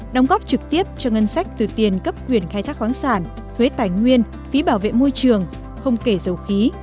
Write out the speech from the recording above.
đóng góp trực tiếp cho ngân sách từ tiền cấp quyền khai thác khoáng sản thuế tài nguyên phí bảo vệ môi trường không kể dầu khí